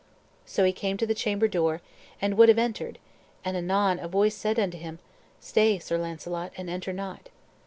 So he came to the chamber door, and would have entered; and anon a voice said unto him, "Stay, Sir Launcelot, and enter not."